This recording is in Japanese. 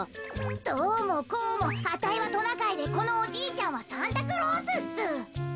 どうもこうもあたいはトナカイでこのおじいちゃんはサンタクロースっす。